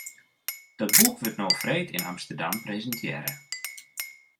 Dat boek wurdt no freed yn Amsterdam presintearre.